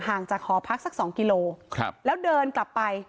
จากหอพักสักสองกิโลครับแล้วเดินกลับไป